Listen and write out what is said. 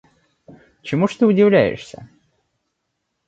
Чему ж ты удивляешься?